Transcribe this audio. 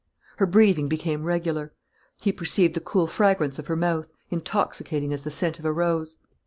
Her breathing became regular. He perceived the cool fragrance of her mouth, intoxicating as the scent of a rose.